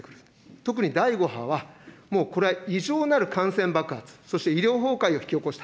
特に第５波は、もうこれは異常なる感染爆発、そして医療崩壊を引き起こした。